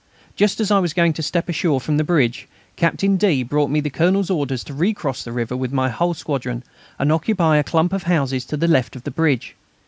Just as I was going to step ashore from the bridge, Captain D. brought me the Colonel's orders to recross the river with my whole squadron and occupy a clump of houses to the left of the bridge.